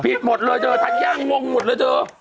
หมดเลยเธอทานย่างงหมดเลยเธอ